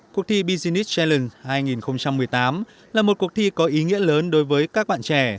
cuộc thi business challenge hai nghìn một mươi tám là một cuộc thi có ý nghĩa lớn đối với các bạn trẻ